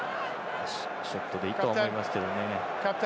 ショットでいくとは思いますけどね。